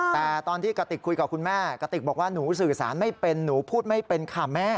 แต่ตอนที่กระติกคุยกับคุณแม่กระติกบอกว่าหนูสื่อสารไม่เป็นหนูพูดไม่เป็นค่ะแม่